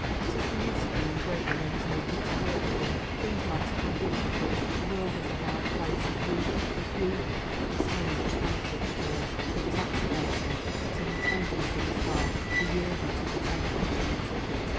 What is the use of being great when there is nobody to work for? Things might have been different, but the world is a hard place. If you—if you——" At this moment his hand touched hers; it was accidental, but in the tenderness of his heart he yielded to the temptation and took it.